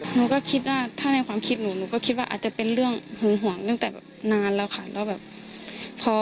หนูก็คิดว่าถ้าในความคิดหนูหนูก็คิดว่าอาจจะเป็นเรื่องหึงห่วงตั้งแต่แบบนานแล้วค่ะแล้วแบบพอ